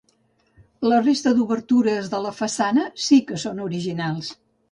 La resta d'obertures de la façana sí que són originals.